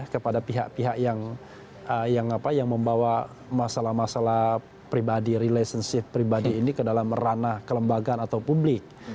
kepada pihak pihak yang membawa masalah masalah pribadi relationship pribadi ini ke dalam ranah kelembagaan atau publik